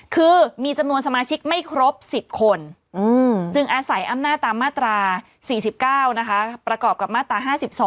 คือมีจำนวนสมาชิกไม่ครบ๑๐คนจึงอาศัยอำนาจตามมาตรา๔๙นะคะประกอบกับมาตรา๕๒